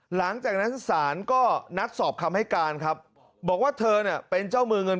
หลังจากนั้นศาลก็นัดสอบคำให้การครับบอกว่าเธอเนี่ยเป็นเจ้ามือเงิน